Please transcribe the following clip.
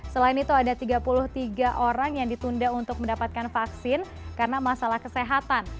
selain itu ada tiga puluh tiga orang yang ditunda untuk mendapatkan vaksin karena masalah kesehatan